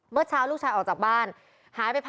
เมื่อเช้าลูกชายออกจากบ้านหายไปพังใหญ่แล้วก็เนี่ยค่ะ